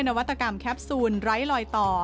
นวัตกรรมแคปซูลไร้ลอยต่อ